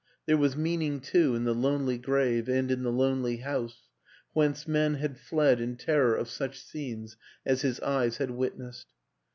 There was mean ing too in the lonely grave and in the lonely house whence men had fled in terror of such scenes as his eyes had witnessed.